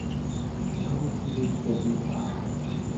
— Чонем шижеш, шерге уна!